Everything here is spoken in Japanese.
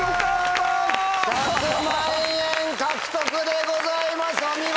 １００万円獲得でございますお見事！